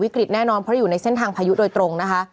แน่นอนเพราะอยู่ในเส้นทางพายุโดยตรงนะคะ